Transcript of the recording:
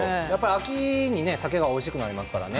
秋にさけがおいしくなりますからね。